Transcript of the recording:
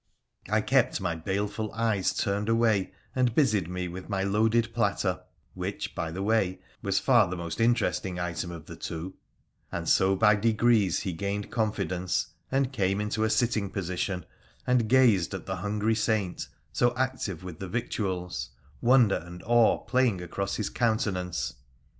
I kept my baleful eyes turned away, and busied me with my loaded platter — which, by the way, was far the most interesting item of the two — and so by degrees he gained confidence, and came into a sitting position, and gazed at the hungry saint, so active with the victuals, wonder and awe playing across his counte nance.